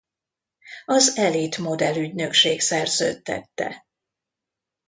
Az Elite modellügynökség szerződtette.